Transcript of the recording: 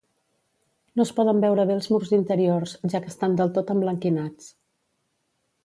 No es poden veure bé els murs interiors, ja que estan del tot emblanquinats.